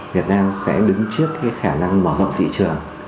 việt nam sẽ đứng trước khả năng mở rộng thị trường